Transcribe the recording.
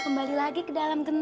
kau tidak tahu kan